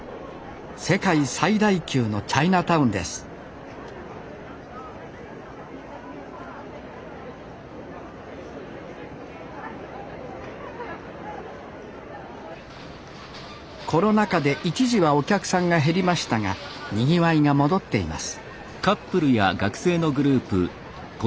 世界最大級のチャイナタウンですコロナ禍で一時はお客さんが減りましたがにぎわいが戻っています